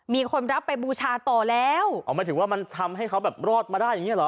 มีคนรับไปบูชาต่อแล้วอ๋อหมายถึงว่ามันทำให้เขาแบบรอดมาได้อย่างเงี้เหรอ